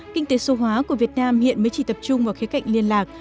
kinh tế số hóa của việt nam hiện mới chỉ tập trung vào khía cạnh liên lạc